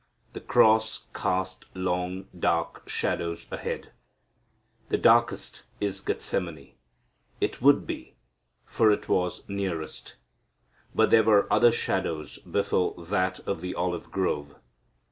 The cross cast long, dark shadows ahead. The darkest is Gethsemane. It would be, for it was nearest. But there were other shadows before that of the olive grove.